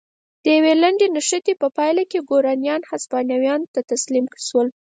د یوې لنډې نښتې په پایله کې ګورانیان هسپانویانو ته تسلیم شول.